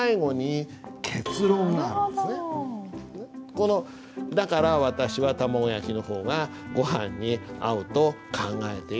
この「だから、私は卵焼きの方がごはんに合うと考えている」。